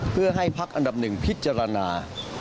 เพื่อให้ภักด์อันดับ๑พิจารณา